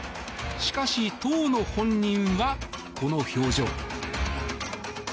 しかし、当の本人はこの表情。